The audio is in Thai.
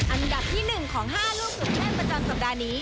อันดับที่๑ของ๕ลูกสุดแข้งประจำสัปดาห์นี้